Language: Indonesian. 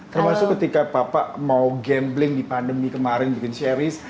termasuk ketika bapak mau gambling di pandemi kemarin bikin series